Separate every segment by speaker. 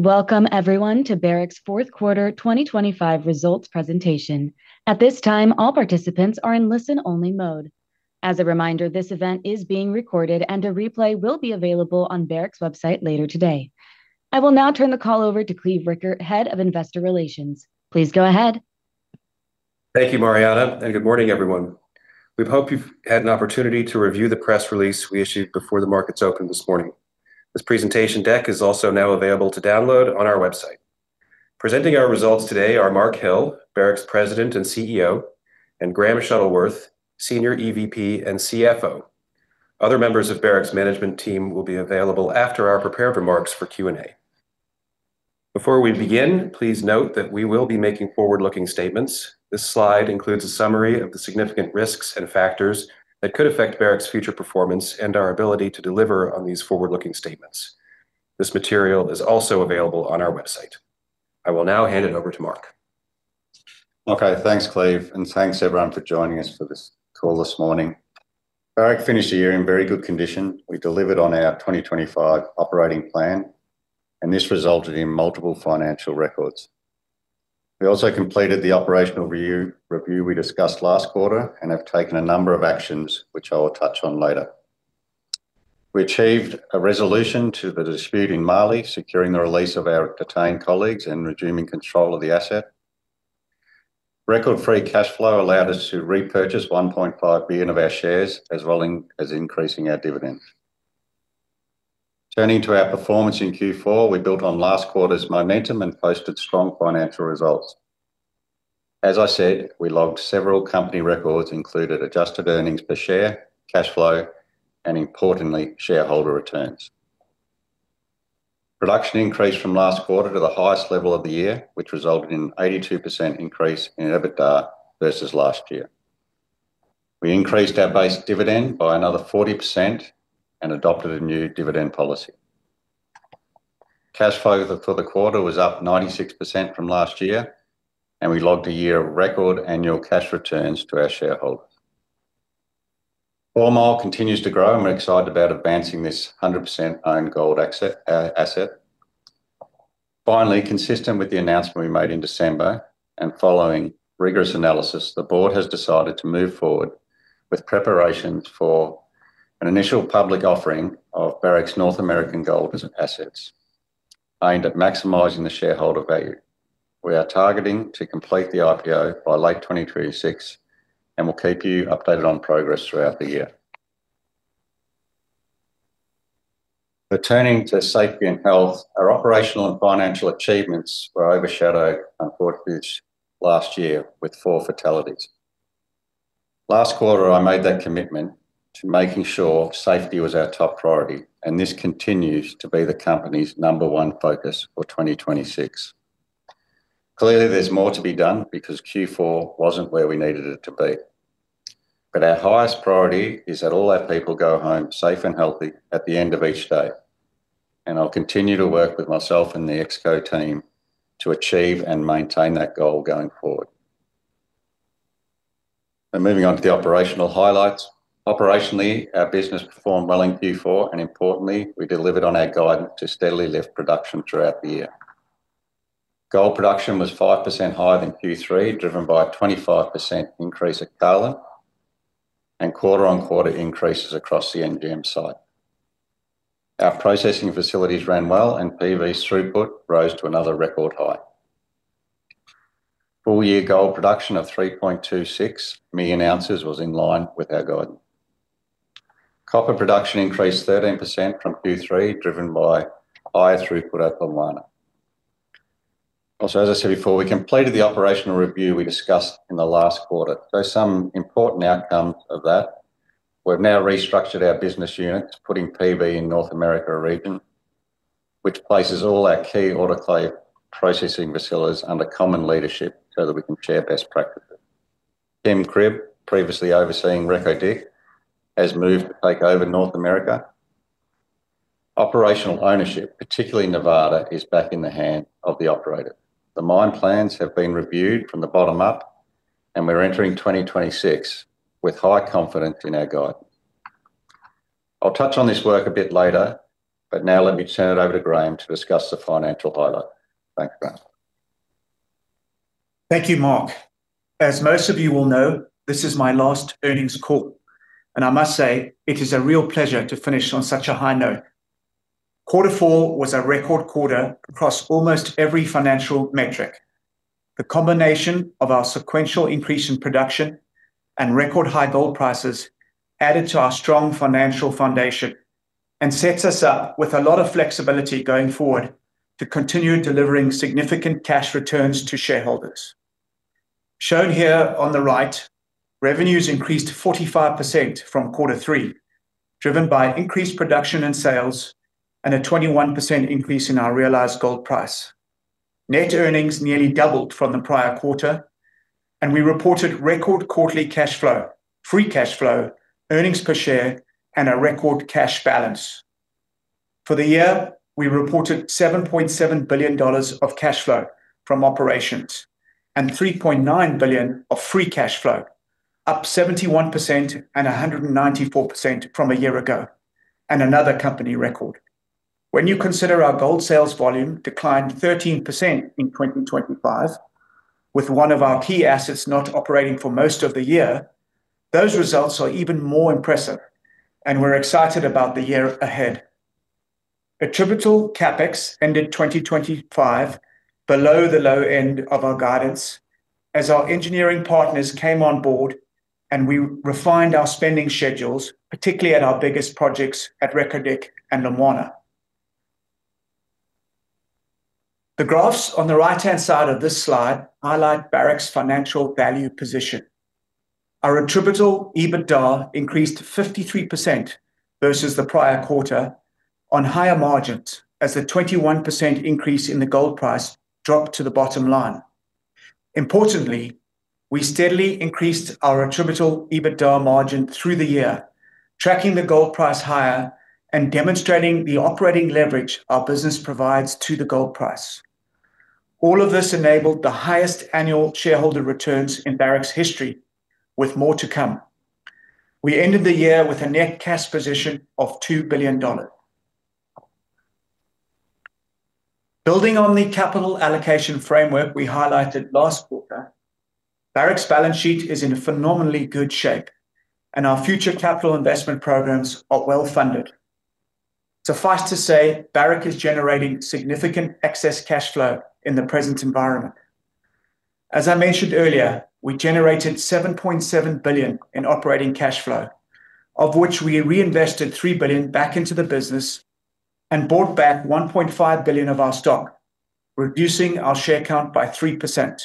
Speaker 1: Welcome everyone to Barrick's fourth quarter 2025 results presentation. At this time, all participants are in listen-only mode. As a reminder, this event is being recorded, and a replay will be available on Barrick's website later today. I will now turn the call over to Cleve Rueckert, Head of Investor Relations. Please go ahead.
Speaker 2: Thank you, Mariana, and good morning, everyone. We hope you've had an opportunity to review the press release we issued before the markets opened this morning. This presentation deck is also now available to download on our website. Presenting our results today are Mark Hill, Barrick's President and CEO, and Graham Shuttleworth, Senior EVP and CFO. Other members of Barrick's management team will be available after our prepared remarks for Q&A. Before we begin, please note that we will be making forward-looking statements. This slide includes a summary of the significant risks and factors that could affect Barrick's future performance and our ability to deliver on these forward-looking statements. This material is also available on our website. I will now hand it over to Mark.
Speaker 3: Okay, thanks, Cleve, and thanks, everyone, for joining us for this call this morning. Barrick finished the year in very good condition. We delivered on our 2025 operating plan, and this resulted in multiple financial records. We also completed the operational review, review we discussed last quarter and have taken a number of actions which I will touch on later. We achieved a resolution to the dispute in Mali, securing the release of our detained colleagues and resuming control of the asset. Record free cash flow allowed us to repurchase $1.5 billion of our shares, as well as, as increasing our dividend. Turning to our performance in Q4, we built on last quarter's momentum and posted strong financial results. As I said, we logged several company records, including adjusted earnings per share, cash flow, and importantly, shareholder returns. Production increased from last quarter to the highest level of the year, which resulted in 82% increase in EBITDA versus last year. We increased our base dividend by another 40% and adopted a new dividend policy. Cash flow for the quarter was up 96% from last year, and we logged a year of record annual cash returns to our shareholders. Lumwana continues to grow, and we're excited about advancing this 100% owned gold asset, asset. Finally, consistent with the announcement we made in December and following rigorous analysis, the board has decided to move forward with preparations for an initial public offering of Barrick's North American gold assets, aimed at maximizing the shareholder value. We are targeting to complete the IPO by late 2026, and we'll keep you updated on progress throughout the year. But turning to safety and health, our operational and financial achievements were overshadowed, unfortunately, last year with four fatalities. Last quarter, I made that commitment to making sure safety was our top priority, and this continues to be the company's number one focus for 2026. Clearly, there's more to be done because Q4 wasn't where we needed it to be. But our highest priority is that all our people go home safe and healthy at the end of each day, and I'll continue to work with myself and the ExCo team to achieve and maintain that goal going forward. And moving on to the operational highlights. Operationally, our business performed well in Q4, and importantly, we delivered on our guidance to steadily lift production throughout the year. Gold production was 5% higher than Q3, driven by a 25% increase at Carlin and quarter-on-quarter increases across the NGM site. Our processing facilities ran well, and PV throughput rose to another record high. Full-year gold production of 3.26 million ounces was in line with our guidance. Copper production increased 13% from Q3, driven by higher throughput at Lumwana. Also, as I said before, we completed the operational review we discussed in the last quarter. So some important outcomes of that, we've now restructured our business units, putting PV in North America region, which places all our key autoclave processing facilities under common leadership so that we can share best practices. Tim Cribb, previously overseeing Reko Diq, has moved to take over North America. Operational ownership, particularly Nevada, is back in the hand of the operator. The mine plans have been reviewed from the bottom up, and we're entering 2026 with high confidence in our guide. I'll touch on this work a bit later, but now let me turn it over to Graham to discuss the financial highlight. Thanks, Graham.
Speaker 4: Thank you, Mark. As most of you will know, this is my last earnings call, and I must say it is a real pleasure to finish on such a high note. Quarter four was a record quarter across almost every financial metric. The combination of our sequential increase in production and record-high gold prices added to our strong financial foundation and sets us up with a lot of flexibility going forward to continue delivering significant cash returns to shareholders. Shown here on the right, revenues increased 45% from quarter three, driven by increased production and sales and a 21% increase in our realized gold price. Net earnings nearly doubled from the prior quarter, and we reported record quarterly cash flow, free cash flow, earnings per share, and a record cash balance. For the year, we reported $7.7 billion of cash flow from operations and $3.9 billion of free cash flow, up 71% and 194% from a year ago, and another company record. When you consider our gold sales volume declined 13% in 2025, with one of our key assets not operating for most of the year, those results are even more impressive, and we're excited about the year ahead. Attributable CapEx ended 2025 below the low end of our guidance, as our engineering partners came on board and we refined our spending schedules, particularly at our biggest projects at Reko Diq and Lumwana. The graphs on the right-hand side of this slide highlight Barrick's financial value position. Our attributable EBITDA increased 53% versus the prior quarter on higher margins, as a 21% increase in the gold price dropped to the bottom line. Importantly, we steadily increased our attributable EBITDA margin through the year, tracking the gold price higher and demonstrating the operating leverage our business provides to the gold price. All of this enabled the highest annual shareholder returns in Barrick's history, with more to come. We ended the year with a net cash position of $2 billion. Building on the capital allocation framework we highlighted last quarter, Barrick's balance sheet is in phenomenally good shape, and our future capital investment programs are well-funded. Suffice to say, Barrick is generating significant excess cash flow in the present environment. As I mentioned earlier, we generated $7.7 billion in operating cash flow, of which we reinvested $3 billion back into the business and bought back $1.5 billion of our stock, reducing our share count by 3%.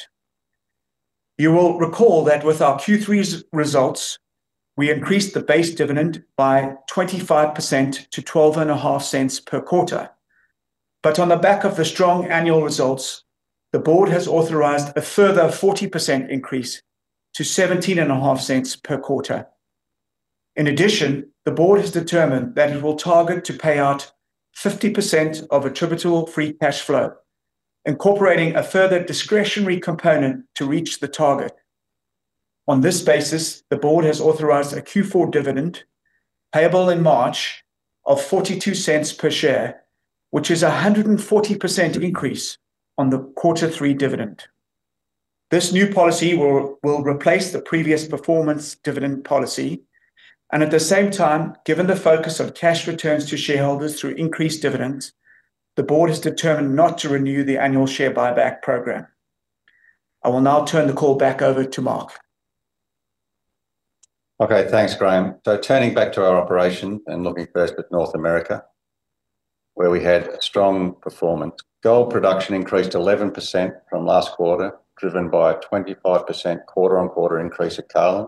Speaker 4: You will recall that with our Q3's results, we increased the base dividend by 25% to $0.125 per quarter. On the back of the strong annual results, the board has authorized a further 40% increase to $0.175 per quarter. In addition, the board has determined that it will target to pay out 50% of attributable free cash flow, incorporating a further discretionary component to reach the target. On this basis, the board has authorized a Q4 dividend, payable in March, of $0.42 per share, which is a 140% increase on the Q3 dividend. This new policy will replace the previous performance dividend policy, and at the same time, given the focus of cash returns to shareholders through increased dividends, the board has determined not to renew the annual share buyback program. I will now turn the call back over to Mark.
Speaker 3: Okay, thanks, Graham. So turning back to our operation and looking first at North America, where we had a strong performance. Gold production increased 11% from last quarter, driven by a 25% quarter-on-quarter increase at Carlin.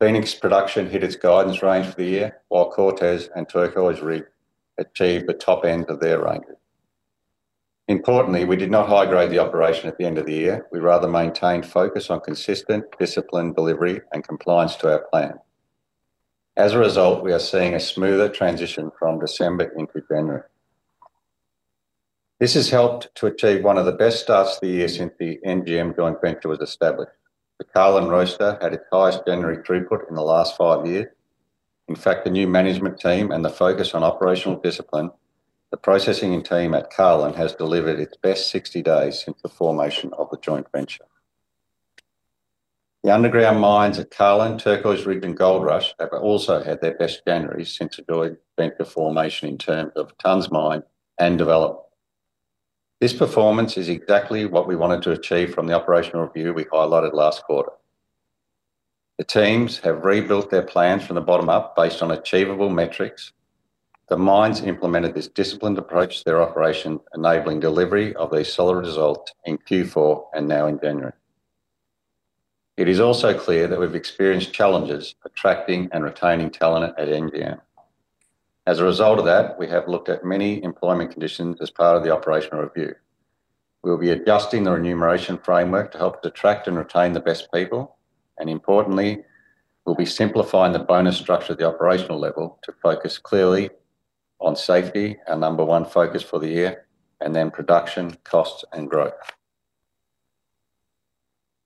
Speaker 3: Phoenix production hit its guidance range for the year, while Cortez and Turquoise Ridge achieved the top end of their range. Importantly, we did not high-grade the operation at the end of the year. We rather maintained focus on consistent, disciplined delivery and compliance to our plan. As a result, we are seeing a smoother transition from December into January. This has helped to achieve one of the best starts to the year since the NGM joint venture was established. The Carlin Roaster had its highest January throughput in the last five years. In fact, the new management team and the focus on operational discipline, the processing and team at Carlin has delivered its best 60 days since the formation of the joint venture. The underground mines at Carlin, Turquoise Ridge, and Goldrush have also had their best January since the joint venture formation in terms of tons mined and developed. This performance is exactly what we wanted to achieve from the operational review we highlighted last quarter. The teams have rebuilt their plans from the bottom up, based on achievable metrics. The mines implemented this disciplined approach to their operation, enabling delivery of a solid result in Q4 and now in January. It is also clear that we've experienced challenges attracting and retaining talent at NGM. As a result of that, we have looked at many employment conditions as part of the operational review. We'll be adjusting the remuneration framework to help attract and retain the best people, and importantly, we'll be simplifying the bonus structure at the operational level to focus clearly on safety, our number one focus for the year, and then production, costs, and growth.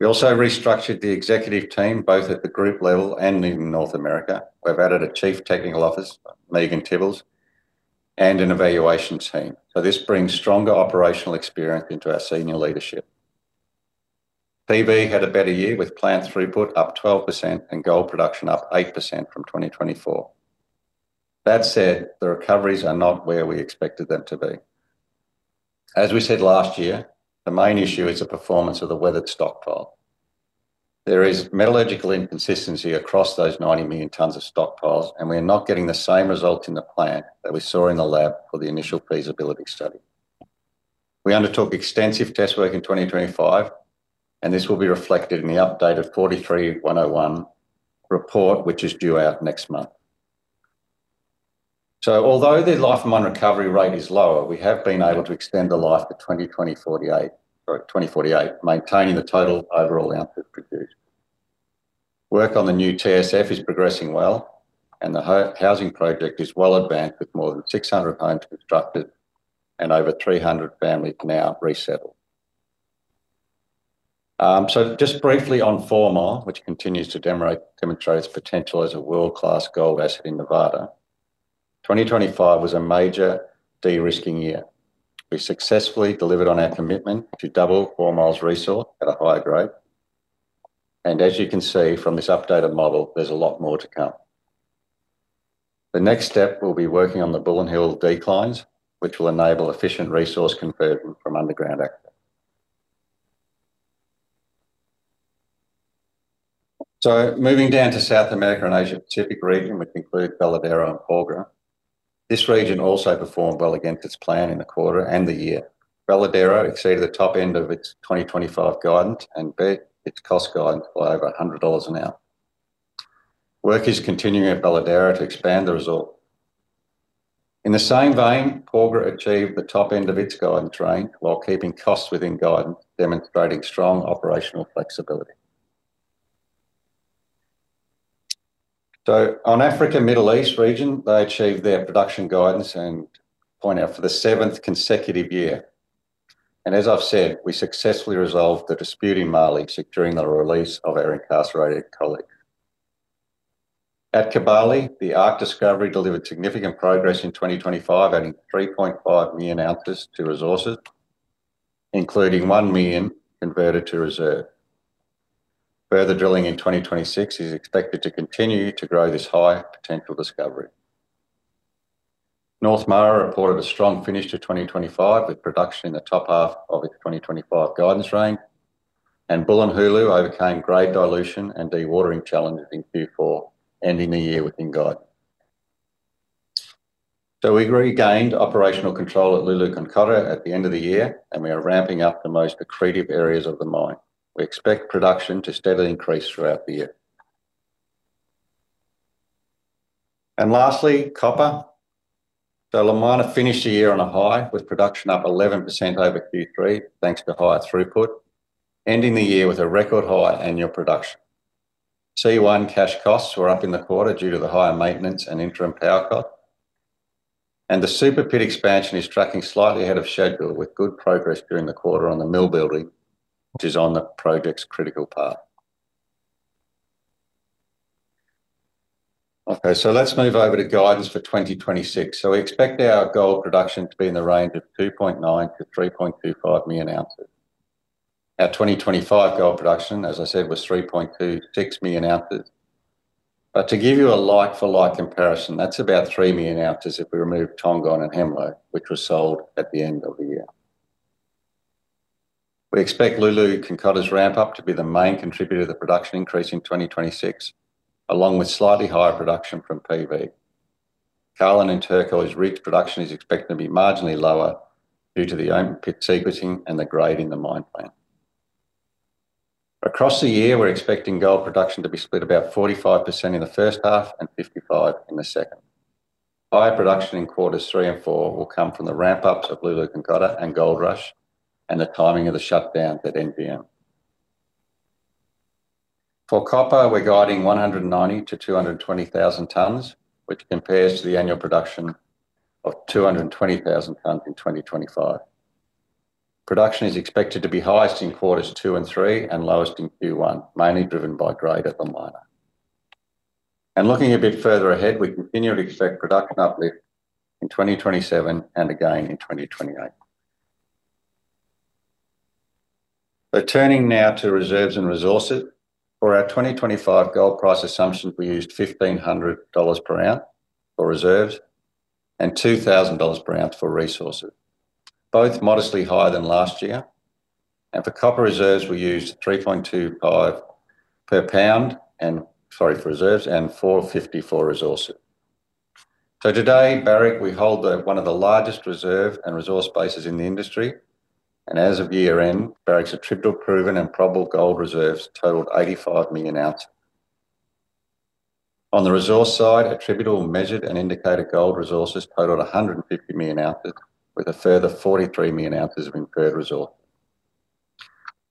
Speaker 3: We also restructured the executive team, both at the group level and in North America. We've added a Chief Technical Officer, Megan Tibbles, and an evaluation team. So this brings stronger operational experience into our senior leadership. PV had a better year, with plant throughput up 12% and gold production up 8% from 2024. That said, the recoveries are not where we expected them to be. As we said last year, the main issue is the performance of the weathered stockpile. There is metallurgical inconsistency across those 90 million tons of stockpiles, and we are not getting the same results in the plant that we saw in the lab for the initial feasibility study. We undertook extensive test work in 2025, and this will be reflected in the updated 43-101 report, which is due out next month. So although the life of mine recovery rate is lower, we have been able to extend the life to 2028, or 2048, maintaining the total overall output produced. Work on the new TSF is progressing well, and the housing project is well advanced, with more than 600 homes constructed and over 300 families now resettled. So just briefly on Fourmile, which continues to demonstrate its potential as a world-class gold asset in Nevada. 2025 was a major de-risking year. We successfully delivered on our commitment to double Fourmile's resource at a higher grade, and as you can see from this updated model, there's a lot more to come. The next step will be working on the Bullion Hill declines, which will enable efficient resource conversion from underground access. So moving down to South America and Asia Pacific region, which include Veladero and Porgera. This region also performed well against its plan in the quarter and the year. Veladero exceeded the top end of its 2025 guidance and beat its cost guidance by over $100 per ounce. Work is continuing at Veladero to expand the result. In the same vein, Porgera achieved the top end of its guidance range while keeping costs within guidance, demonstrating strong operational flexibility. So on Africa, Middle East region, they achieved their production guidance and on point for the seventh consecutive year. And as I've said, we successfully resolved the dispute in Mali during the release of our incarcerated colleague. At Kibali, the Ark discovery delivered significant progress in 2025, adding 3.5 million ounces to resources, including 1 million converted to reserve. Further drilling in 2026 is expected to continue to grow this high potential discovery. North Mara reported a strong finish to 2025, with production in the top half of its 2025 guidance range, and Bulyanhulu overcame grade dilution and dewatering challenges in Q4, ending the year within guide. So we regained operational control at Loulo-Gounkoto at the end of the year, and we are ramping up the most accretive areas of the mine. We expect production to steadily increase throughout the year. And lastly, copper. So Lumwana finished the year on a high, with production up 11% over Q3, thanks to higher throughput, ending the year with a record high annual production. C1 cash costs were up in the quarter due to the higher maintenance and interim power cost, and the Super Pit expansion is tracking slightly ahead of schedule, with good progress during the quarter on the mill building, which is on the project's critical path. Okay, so let's move over to guidance for 2026. So we expect our gold production to be in the range of 2.9-3.25 million ounces. Our 2025 gold production, as I said, was 3.26 million ounces. But to give you a like for like comparison, that's about 3 million ounces if we remove Tongon and Hemlo, which was sold at the end of the year. We expect Loulo-Gounkoto's ramp up to be the main contributor to the production increase in 2026, along with slightly higher production from PV. Carlin and Turquoise Ridge production is expected to be marginally lower due to the open pit sequencing and the grade in the mine plan. Across the year, we're expecting gold production to be split about 45% in the first half and 55% in the second. Higher production in quarters 3 and 4 will come from the ramp-ups of Loulo-Gounkoto and Goldrush, and the timing of the shutdown at NGM. For copper, we're guiding 190,000-220,000 tons, which compares to the annual production of 220,000 tons in 2025. Production is expected to be highest in quarters 2 and 3, and lowest in Q1, mainly driven by grade at the mine. Looking a bit further ahead, we continually expect production uplift in 2027 and again in 2028. Turning now to reserves and resources. For our 2025 gold price assumptions, we used $1,500 per ounce for reserves and $2,000 per ounce for resources, both modestly higher than last year. And for copper reserves, we used $3.25 per pound for reserves, and $4.50 for resources. So today, Barrick, we hold one of the largest reserve and resource bases in the industry, and as of year-end, Barrick's attributable proven and probable gold reserves totaled 85 million ounces. On the resource side, attributable measured and indicated gold resources totaled 150 million ounces, with a further 43 million ounces of inferred resource.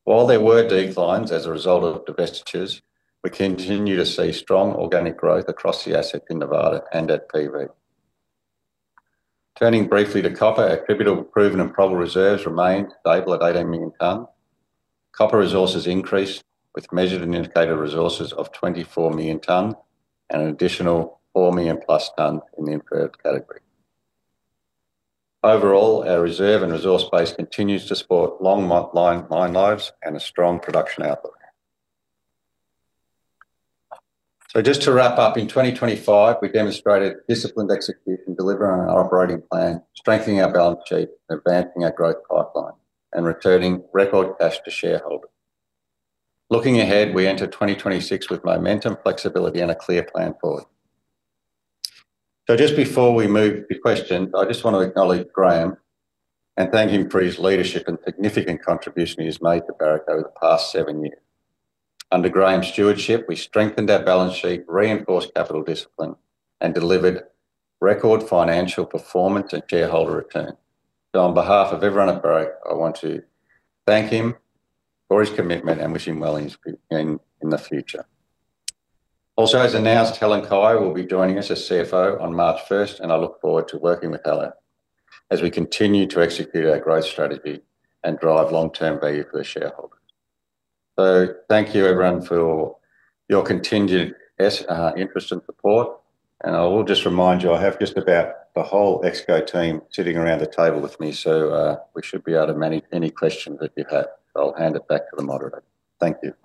Speaker 3: While there were declines as a result of divestitures, we continue to see strong organic growth across the assets in Nevada and at PV. Turning briefly to copper, attributable proven and probable reserves remained stable at 18 million tons. Copper resources increased, with measured and indicated resources of 24 million tons and an additional 4 million-plus tons in the inferred category. Overall, our reserve and resource base continues to support long mine lives and a strong production outlook. So just to wrap up, in 2025, we demonstrated disciplined execution, delivering on our operating plan, strengthening our balance sheet, advancing our growth pipeline, and returning record cash to shareholders. Looking ahead, we enter 2026 with momentum, flexibility, and a clear plan forward. So just before we move to question, I just want to acknowledge Graham and thank him for his leadership and significant contribution he has made to Barrick over the past seven years. Under Graham's stewardship, we strengthened our balance sheet, reinforced capital discipline, and delivered record financial performance and shareholder return. So on behalf of everyone at Barrick, I want to thank him for his commitment and wish him well in his future. Also, as announced, Helen Cai will be joining us as CFO on March first, and I look forward to working with Helen as we continue to execute our growth strategy and drive long-term value for the shareholders. So thank you, everyone, for your continued support. And I will just remind you, I have just about the whole Exco team sitting around the table with me, so, we should be able to manage any questions that you have. I'll hand it back to the moderator. Thank you.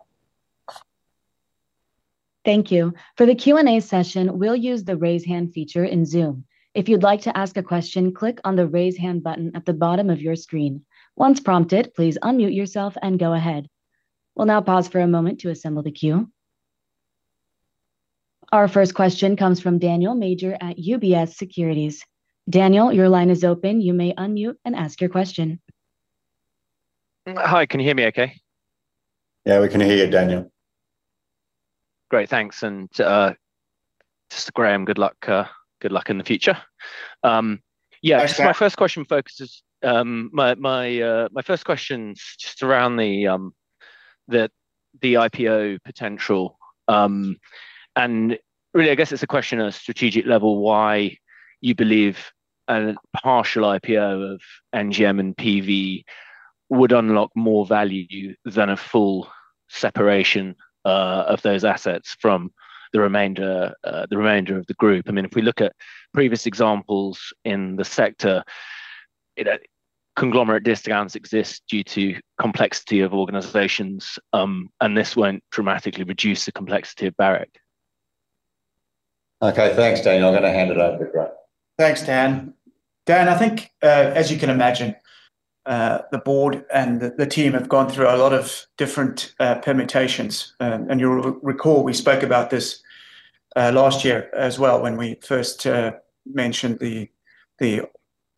Speaker 1: Thank you. For the Q&A session, we'll use the Raise Hand feature in Zoom. If you'd like to ask a question, click on the Raise Hand button at the bottom of your screen. Once prompted, please unmute yourself and go ahead. We'll now pause for a moment to assemble the queue. Our first question comes from Daniel Major at UBS Securities. Daniel, your line is open. You may unmute and ask your question.
Speaker 5: Hi, can you hear me okay?
Speaker 3: Yeah, we can hear you, Daniel.
Speaker 5: Great, thanks. And, just Graham, good luck, good luck in the future. Yeah-
Speaker 3: Thanks, Dan.
Speaker 5: My first question focuses, my first question is just around the IPO potential. And really, I guess it's a question of strategic level, why you believe a partial IPO of NGM and PV would unlock more value to you than a full separation of those assets from the remainder of the group. I mean, if we look at previous examples in the sector, you know, conglomerate discounts exist due to complexity of organizations, and this won't dramatically reduce the complexity of Barrick.
Speaker 3: Okay, thanks, Daniel. I'm gonna hand it over to Graham.
Speaker 4: Thanks, Dan. Dan, I think, as you can imagine, the board and the team have gone through a lot of different permutations. And you'll recall we spoke about this last year as well when we first mentioned the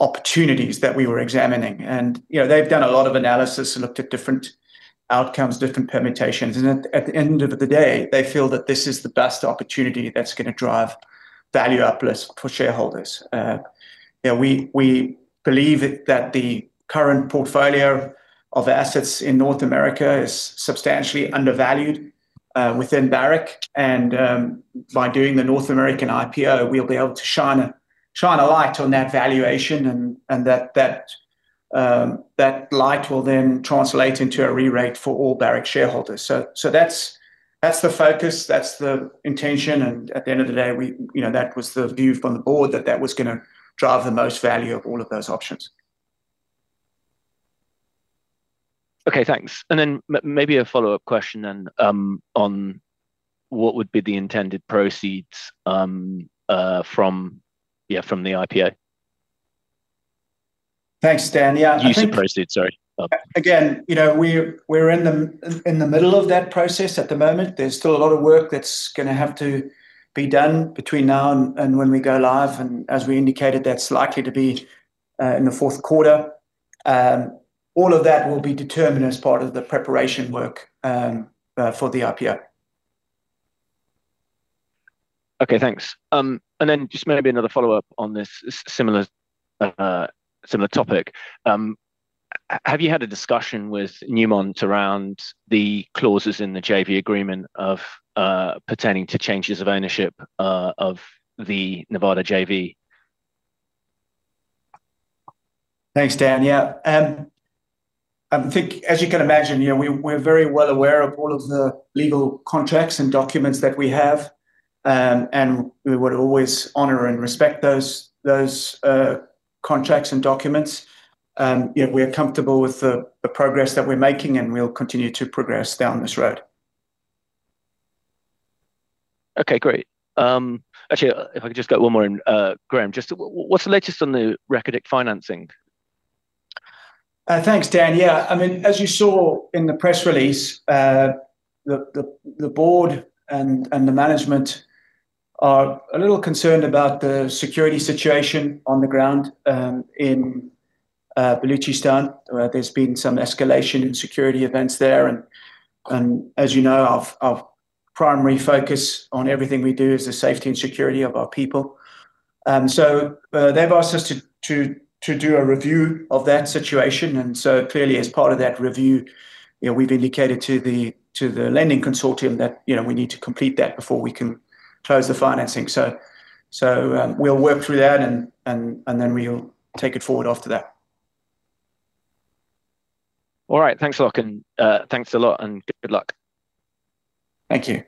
Speaker 4: opportunities that we were examining. And, you know, they've done a lot of analysis and looked at different outcomes, different permutations. And at the end of the day, they feel that this is the best opportunity that's gonna drive value uplift for shareholders. You know, we believe it that the current portfolio of assets in North America is substantially undervalued within Barrick. And by doing the North American IPO, we'll be able to shine a light on that valuation, and that light will then translate into a re-rate for all Barrick shareholders. So that's the focus, that's the intention, and at the end of the day, we, you know, that was the view from the board, that that was gonna drive the most value of all of those options.
Speaker 5: Okay, thanks. And then maybe a follow-up question then, on what would be the intended proceeds from the IPO.
Speaker 4: Thanks, Dan. Yeah, I think-
Speaker 5: Use of proceeds, sorry.
Speaker 4: Again, you know, we're in the middle of that process at the moment. There's still a lot of work that's gonna have to be done between now and when we go live, and as we indicated, that's likely to be in the fourth quarter. All of that will be determined as part of the preparation work for the IPO.
Speaker 5: Okay, thanks. And then just maybe another follow-up on this similar, similar topic. Have you had a discussion with Newmont around the clauses in the JV agreement of, pertaining to changes of ownership, of the Nevada JV?
Speaker 4: Thanks, Dan. Yeah, I think, as you can imagine, you know, we, we're very well aware of all of the legal contracts and documents that we have, and we would always honor and respect those, those, contracts and documents. You know, we're comfortable with the, the progress that we're making, and we'll continue to progress down this road.
Speaker 5: Okay, great. Actually, if I could just get one more in, Graham, just what's the latest on the Reko Diq financing?
Speaker 4: Thanks, Dan. Yeah, I mean, as you saw in the press release, the board and the management are a little concerned about the security situation on the ground in Balochistan, where there's been some escalation in security events there. And as you know, our primary focus on everything we do is the safety and security of our people. So, they've asked us to do a review of that situation, and so clearly, as part of that review, you know, we've indicated to the lending consortium that, you know, we need to complete that before we can close the financing. So, we'll work through that and then we'll take it forward after that.
Speaker 5: All right. Thanks a lot, and thanks a lot, and good luck.
Speaker 4: Thank you.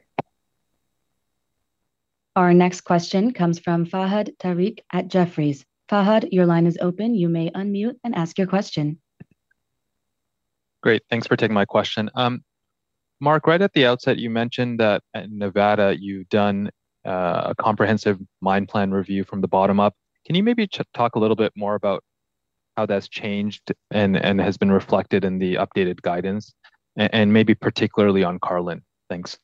Speaker 1: Our next question comes from Fahad Tariq at Jefferies. Fahad, your line is open. You may unmute and ask your question.
Speaker 6: Great, thanks for taking my question. Mark, right at the outset, you mentioned that at Nevada, you've done a comprehensive mine plan review from the bottom up. Can you maybe talk a little bit more about how that's changed and has been reflected in the updated guidance, and maybe particularly on Carlin? Thanks.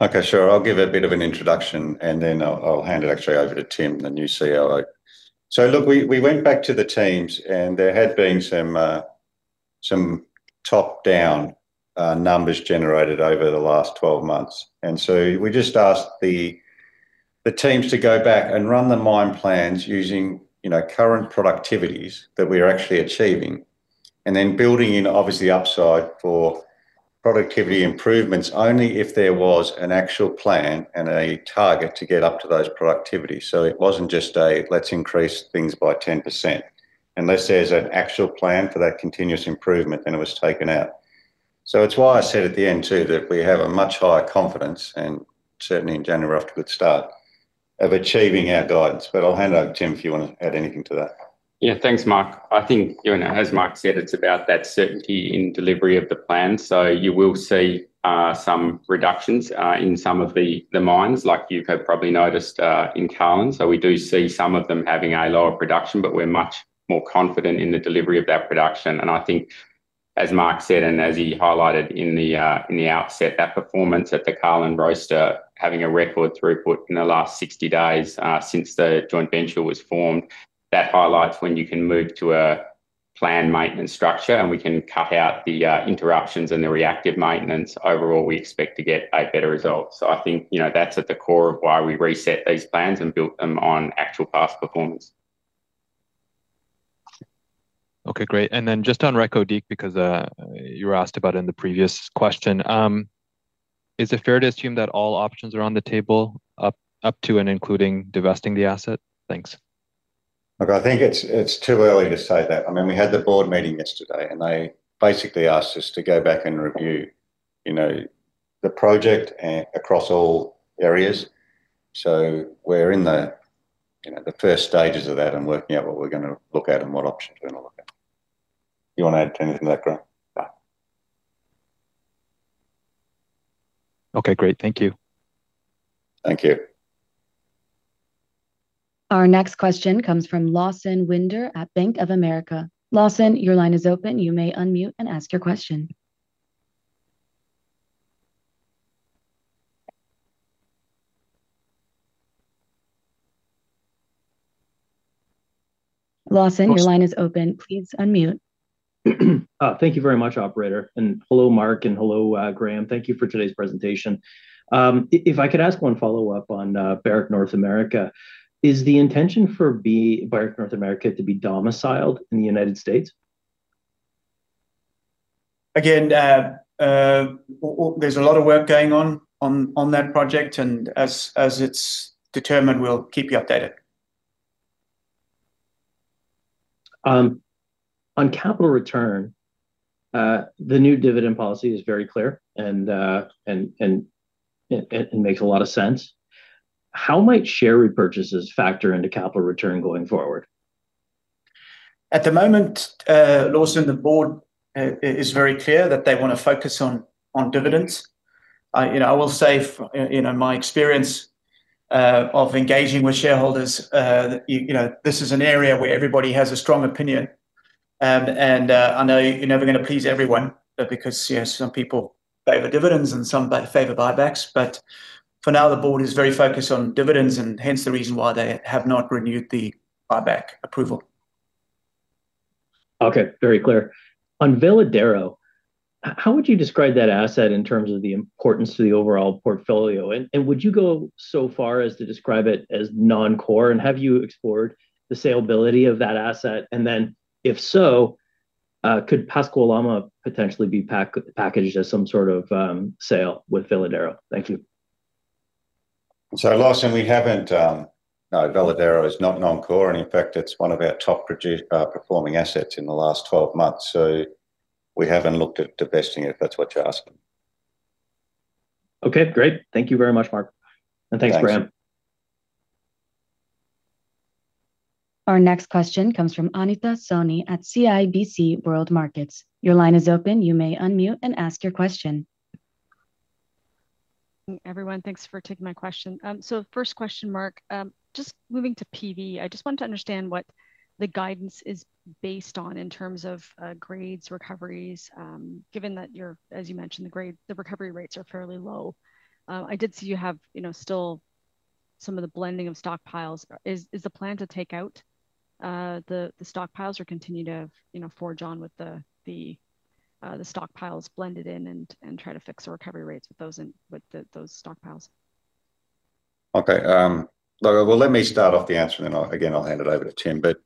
Speaker 3: Okay, sure. I'll give a bit of an introduction, and then I'll hand it actually over to Tim, the new COO. So look, we went back to the teams, and there had been some top-down numbers generated over the last 12 months. And so we just asked the- -the teams to go back and run the mine plans using, you know, current productivities that we are actually achieving, and then building in, obviously, upside for productivity improvements only if there was an actual plan and a target to get up to those productivities. So it wasn't just a, "Let's increase things by 10%." Unless there's an actual plan for that continuous improvement, then it was taken out. So it's why I said at the end, too, that we have a much higher confidence, and certainly in January we're off to a good start, of achieving our guidance. But I'll hand over to Tim, if you want to add anything to that.
Speaker 7: Yeah. Thanks, Mark. I think, you know, as Mark said, it's about that certainty in delivery of the plan. So you will see, some reductions, in some of the, the mines, like you have probably noticed, in Carlin. So we do see some of them having a lower production, but we're much more confident in the delivery of that production, and I think, as Mark said, and as he highlighted in the, in the outset, that performance at the Carlin Roaster, having a record throughput in the last 60 days, since the joint venture was formed, that highlights when you can move to a planned maintenance structure, and we can cut out the, interruptions and the reactive maintenance. Overall, we expect to get a better result. I think, you know, that's at the core of why we reset these plans and built them on actual past performance.
Speaker 6: Okay, great. And then just on Reko Diq, because you were asked about it in the previous question. Is it fair to assume that all options are on the table, up to and including divesting the asset? Thanks.
Speaker 3: Look, I think it's too early to say that. I mean, we had the board meeting yesterday, and they basically asked us to go back and review, you know, the project across all areas. So we're in the, you know, the first stages of that and working out what we're gonna look at and what options we're gonna look at. You want to add anything to that, Graham?
Speaker 4: Yeah.
Speaker 6: Okay, great. Thank you.
Speaker 3: Thank you.
Speaker 1: Our next question comes from Lawson Winder at Bank of America. Lawson, your line is open. You may unmute and ask your question. Lawson, your line is open. Please unmute.
Speaker 8: Thank you very much, operator. And hello, Mark, and hello, Graham. Thank you for today's presentation. If I could ask one follow-up on Barrick North America, is the intention for Barrick North America to be domiciled in the United States?
Speaker 4: Again, there's a lot of work going on on that project, and as it's determined, we'll keep you updated.
Speaker 8: On capital return, the new dividend policy is very clear, and makes a lot of sense. How might share repurchases factor into capital return going forward?
Speaker 4: At the moment, Lawson, the board is very clear that they want to focus on dividends. You know, I will say you know, in my experience, of engaging with shareholders, you know, this is an area where everybody has a strong opinion. And, I know you're never going to please everyone, because, yes, some people favor dividends and some favor buybacks. But for now, the board is very focused on dividends, and hence the reason why they have not renewed the buyback approval.
Speaker 8: Okay. Very clear. On Veladero, how would you describe that asset in terms of the importance to the overall portfolio? And, and would you go so far as to describe it as non-core, and have you explored the saleability of that asset? And then if so, could Pascua-Lama potentially be packaged as some sort of sale with Veladero? Thank you.
Speaker 3: So, Lawson, we haven't. No, Veladero is not non-core, and in fact it's one of our top performing assets in the last 12 months, so we haven't looked at divesting it, if that's what you're asking.
Speaker 8: Okay, great. Thank you very much, Mark.
Speaker 3: Thanks.
Speaker 8: Thanks, Graham.
Speaker 1: Our next question comes from Anita Soni at CIBC World Markets. Your line is open. You may unmute and ask your question.
Speaker 9: Everyone, thanks for taking my question. So first question, Mark. Just moving to PV, I just wanted to understand what the guidance is based on in terms of, grades, recoveries, given that your, as you mentioned, the grade, the recovery rates are fairly low. I did see you have, you know, still some of the blending of stockpiles. Is the plan to take out the stockpiles or continue to, you know, forge on with the stockpiles blended in and try to fix the recovery rates with those in, with those stockpiles?
Speaker 3: Okay. Well, let me start off the answer, then I- again, I'll hand it over to Tim. But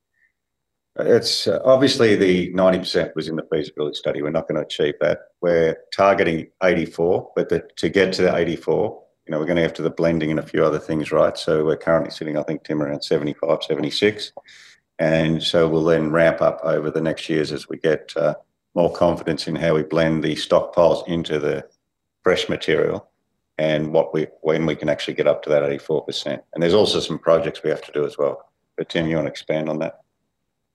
Speaker 3: it's obviously the 90% was in the feasibility study. We're not going to achieve that. We're targeting 84, but to get to the 84, you know, we're gonna have to do the blending and a few other things, right? So we're currently sitting, I think, Tim, around 75, 76, and so we'll then ramp up over the next years as we get more confidence in how we blend the stockpiles into the fresh material and when we can actually get up to that 84%. And there's also some projects we have to do as well. But Tim, you want to expand on that?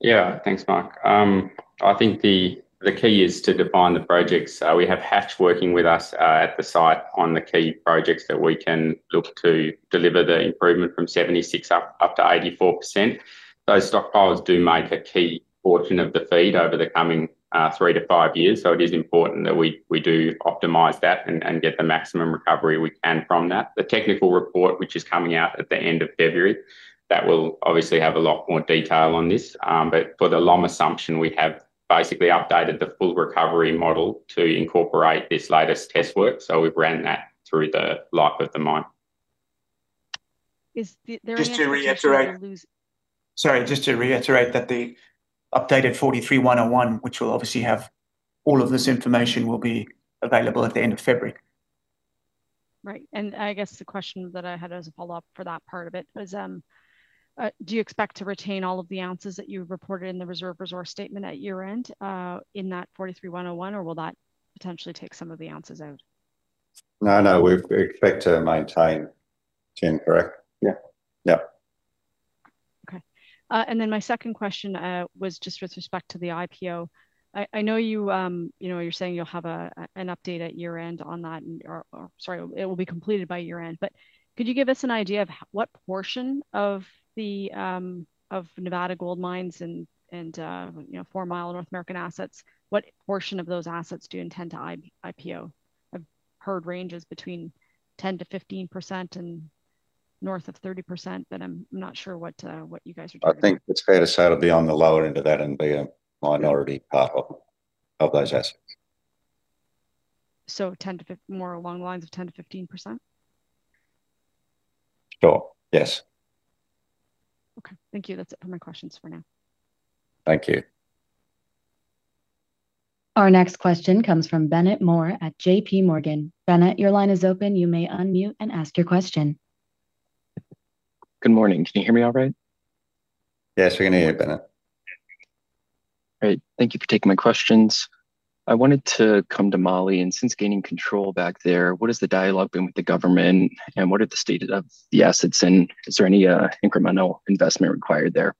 Speaker 7: Yeah. Thanks, Mark. I think the key is to define the projects. We have Hatch working with us at the site on the key projects that we can look to deliver the improvement from 76%-84%. Those stockpiles do make a key portion of the feed over the coming 3-5 years, so it is important that we do optimize that and get the maximum recovery we can from that. The technical report, which is coming out at the end of February, that will obviously have a lot more detail on this. But for the LOM assumption, we have basically updated the full recovery model to incorporate this latest test work, so we've ran that through the life of the mine.
Speaker 3: Just to reiterate that the updated 43-101, which will obviously have all of this information, will be available at the end of February.
Speaker 9: Right. And I guess the question that I had as a follow-up for that part of it was, do you expect to retain all of the ounces that you reported in the reserves and resources statement at year-end, in that 43-101, or will that potentially take some of the ounces out?
Speaker 3: No, no, we expect to maintain, Tim, correct?
Speaker 7: Yeah.
Speaker 3: Yeah.
Speaker 9: Okay. And then my second question was just with respect to the IPO. I, I know you, you know, you're saying you'll have a, a- an update at year-end on that, or, or, sorry, it will be completed by year-end, but could you give us an idea of what portion of the, of Nevada Gold Mines and, and, you know, Fourmile North American assets, what portion of those assets do you intend to IPO? I've heard ranges between 10%-15% and north of 30%, but I'm not sure what, what you guys are talking about.
Speaker 3: I think it's fair to say it'll be on the lower end of that and be a minority part of those assets.
Speaker 9: So, more along the lines of 10%-15%?
Speaker 3: Sure. Yes.
Speaker 9: Okay. Thank you. That's it for my questions for now.
Speaker 3: Thank you.
Speaker 1: Our next question comes from Bennett Moore at J.P. Morgan. Bennett, your line is open. You may unmute and ask your question.
Speaker 10: Good morning. Can you hear me all right?
Speaker 3: Yes, we can hear you, Bennett.
Speaker 10: Great. Thank you for taking my questions. I wanted to come to Mali, and since gaining control back there, what has the dialogue been with the government, and what are the state of the assets, and is there any incremental investment required there?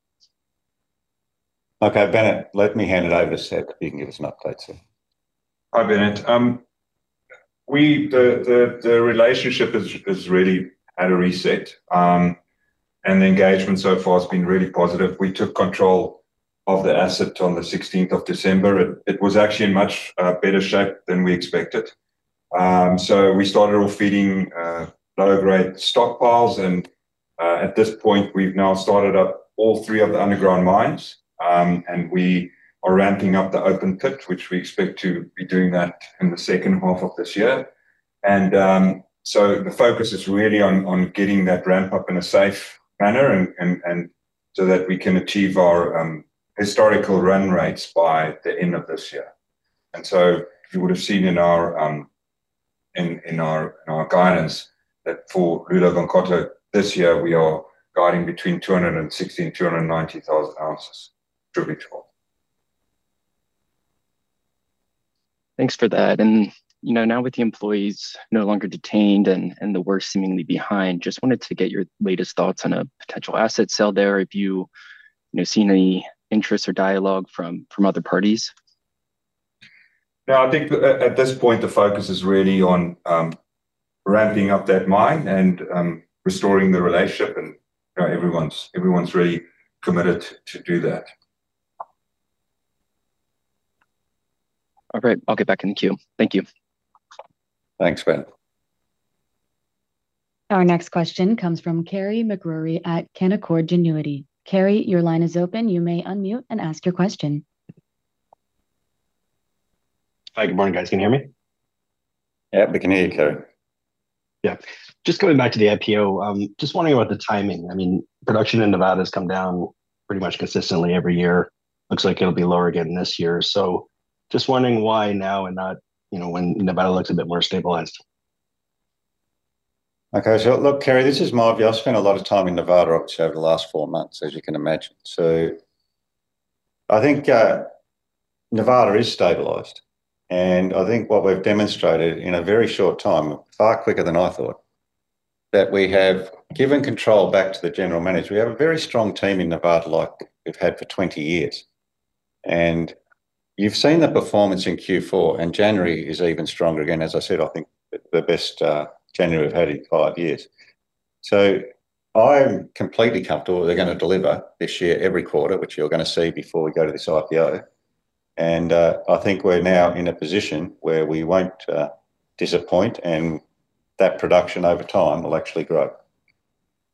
Speaker 3: Okay, Bennett, let me hand it over so he can give us an update, sir.
Speaker 4: Hi, Bennett. The relationship is really at a reset. And the engagement so far has been really positive. We took control of the asset on the sixteenth of December. It was actually in much better shape than we expected. So we started off feeding low-grade stockpiles, and at this point, we've now started up all three of the underground mines. And we are ramping up the open pit, which we expect to be doing that in the second half of this year. So the focus is really on getting that ramp up in a safe manner, and so that we can achieve our historical run rates by the end of this year. You would have seen in our guidance that for Loulo-Gounkoto, this year, we are guiding between 260,000 and 290,000 ounces attributable.
Speaker 10: Thanks for that. And, you know, now with the employees no longer detained and the worst seemingly behind, just wanted to get your latest thoughts on a potential asset sale there, if you, you know, seen any interest or dialogue from other parties?
Speaker 4: No, I think at this point, the focus is really on ramping up that mine and restoring the relationship, and, you know, everyone's really committed to do that.
Speaker 10: All right. I'll get back in the queue. Thank you.
Speaker 3: Thanks, Bennett.
Speaker 1: Our next question comes from Carey MacRury at Canaccord Genuity. Kerry, your line is open. You may unmute and ask your question.
Speaker 11: Hi, good morning, guys. Can you hear me?
Speaker 3: Yeah, we can hear you, Carey.
Speaker 11: Yeah. Just going back to the IPO, just wondering about the timing. I mean, production in Nevada has come down pretty much consistently every year. Looks like it'll be lower again this year. So just wondering why now and not, you know, when Nevada looks a bit more stabilized?
Speaker 3: Okay, so look, Carey, this is my view. I've spent a lot of time in Nevada over the last 4 months, as you can imagine. So I think Nevada is stabilized, and I think what we've demonstrated in a very short time, far quicker than I thought, that we have given control back to the general manager. We have a very strong team in Nevada like we've had for 20 years, and you've seen the performance in Q4, and January is even stronger. Again, as I said, I think the best January we've had in 5 years. So I'm completely comfortable they're gonna deliver this year, every quarter, which you're gonna see before we go to this IPO, and I think we're now in a position where we won't disappoint, and that production over time will actually grow.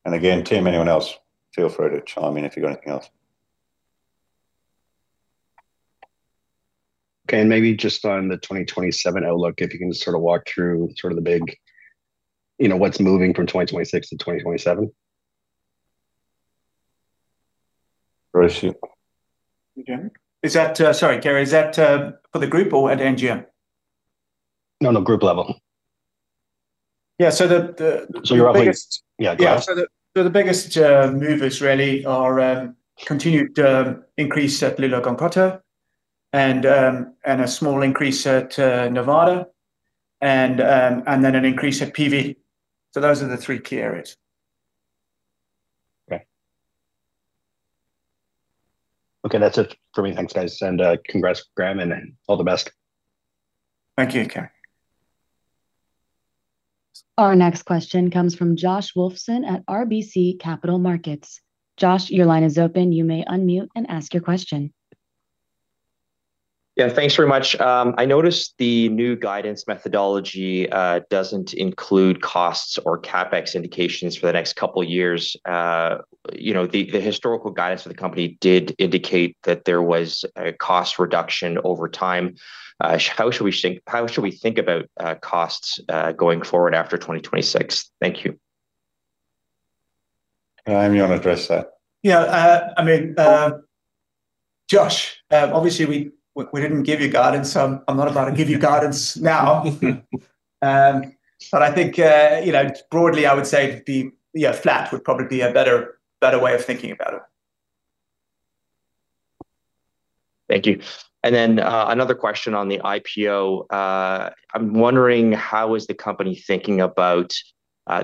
Speaker 3: And again, Tim, anyone else, feel free to chime in if you've got anything else.
Speaker 11: Okay, and maybe just on the 2027 outlook, if you can just sort of walk through sort of the big, you know, what's moving from 2026 to 2027?
Speaker 3: Right. Sure. Is that, sorry, Carey, is that for the group or at NGM?
Speaker 11: No, no, group level.
Speaker 3: Yeah, so the-
Speaker 11: So you're up, yeah.
Speaker 3: Yeah, so the biggest movers really are continued increase at Loulo-Gounkoto and a small increase at Nevada and then an increase at PV. So those are the three key areas.
Speaker 11: Okay. Okay, that's it for me. Thanks, guys, and congrats, Graham, and all the best.
Speaker 3: Thank you, Kerry.
Speaker 1: Our next question comes from Josh Wolfson at RBC Capital Markets. Josh, your line is open. You may unmute and ask your question.
Speaker 12: Yeah, thanks very much. I noticed the new guidance methodology doesn't include costs or CapEx indications for the next couple of years. You know, the historical guidance for the company did indicate that there was a cost reduction over time. How should we think about costs going forward after 2026? Thank you.
Speaker 3: Amy, you want to address that?
Speaker 4: Yeah, I mean, Josh, obviously we didn't give you guidance, so I'm not about to give you guidance now. But I think, you know, broadly, I would say the, yeah, flat would probably be a better way of thinking about it.
Speaker 12: Thank you. And then, another question on the IPO. I'm wondering, how is the company thinking about,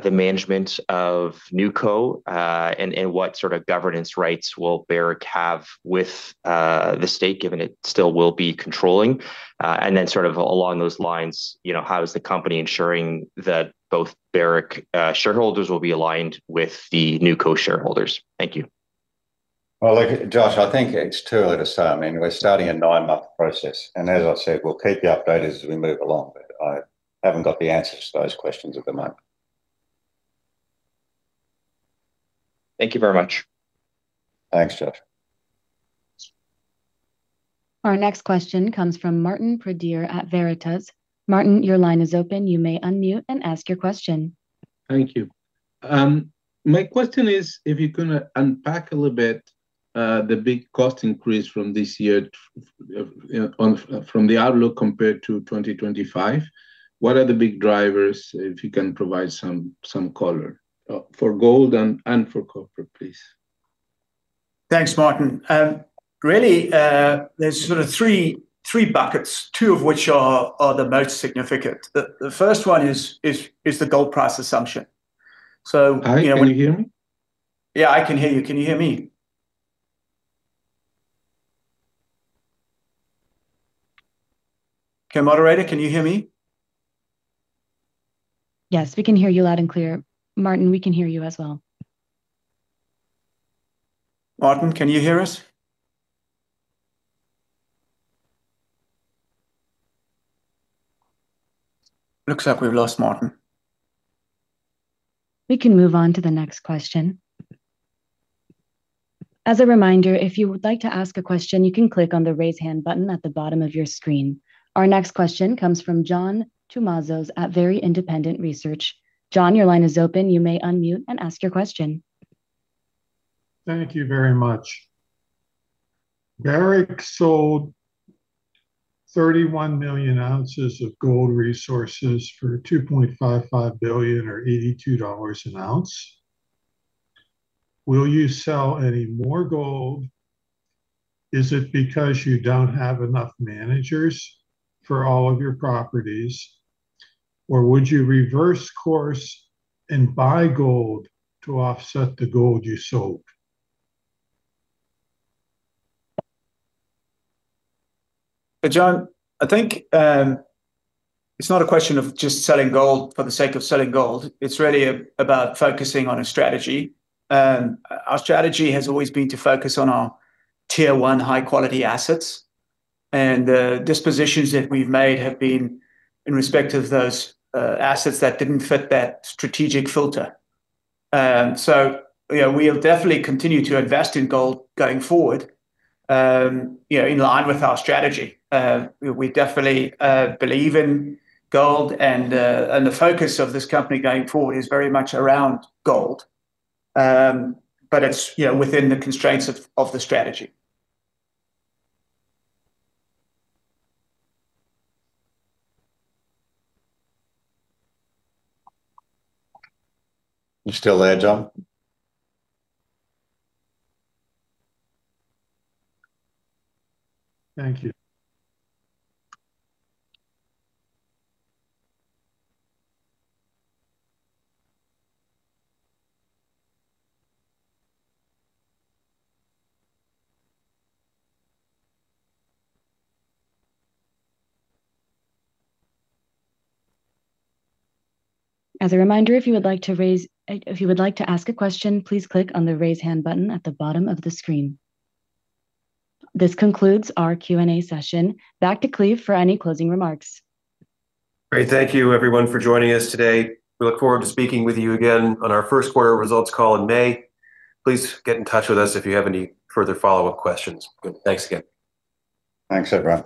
Speaker 12: the management of NewCo, and what sort of governance rights will Barrick have with, the state, given it still will be controlling? And then sort of along those lines, you know, how is the company ensuring that both Barrick shareholders will be aligned with the NewCo shareholders? Thank you.
Speaker 3: Well, look, Josh, I think it's too early to say. I mean, we're starting a nine-month process, and as I said, we'll keep you updated as we move along. But I haven't got the answers to those questions at the moment.
Speaker 12: Thank you very much.
Speaker 3: Thanks, Josh.
Speaker 1: Our next question comes from Martin Pradier at Veritas. Martin, your line is open. You may unmute and ask your question.
Speaker 13: Thank you. My question is, if you can unpack a little bit the big cost increase from this year from the outlook compared to 2025. What are the big drivers, if you can provide some color for gold and for copper, please?
Speaker 4: Thanks, Martin. Really, there's sort of three buckets, two of which are the most significant. The first one is the gold price assumption. So-
Speaker 13: Hi, can you hear me?
Speaker 4: Yeah, I can hear you. Can you hear me? Okay, moderator, can you hear me?
Speaker 1: Yes, we can hear you loud and clear. Martin, we can hear you as well.
Speaker 4: Martin, can you hear us? Looks like we've lost Martin.
Speaker 1: We can move on to the next question. As a reminder, if you would like to ask a question, you can click on the Raise Hand button at the bottom of your screen. Our next question comes from John Tumazos at John Tumazos Very Independent Research. John, your line is open. You may unmute and ask your question.
Speaker 14: Thank you very much. Barrick sold 31 million ounces of gold resources for $2.55 billion or $82 an ounce. Will you sell any more gold? Is it because you don't have enough managers for all of your properties, or would you reverse course and buy gold to offset the gold you sold?
Speaker 4: Hey, John, I think it's not a question of just selling gold for the sake of selling gold, it's really about focusing on a strategy. Our strategy has always been to focus on our Tier One high-quality assets, and the dispositions that we've made have been in respect of those assets that didn't fit that strategic filter. So, you know, we'll definitely continue to invest in gold going forward, you know, in line with our strategy. We definitely believe in gold and the focus of this company going forward is very much around gold. But it's, you know, within the constraints of the strategy.
Speaker 3: You still there, John?
Speaker 14: Thank you.
Speaker 1: As a reminder, if you would like to raise. if you would like to ask a question, please click on the Raise Hand button at the bottom of the screen. This concludes our Q&A session. Back to Cleve for any closing remarks.
Speaker 2: Great. Thank you, everyone, for joining us today. We look forward to speaking with you again on our first quarter results call in May. Please get in touch with us if you have any further follow-up questions. Good. Thanks again.
Speaker 3: Thanks, everyone.